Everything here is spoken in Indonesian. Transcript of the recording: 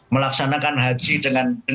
melaksanakan haji dengan